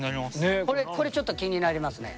これちょっと気になりますね。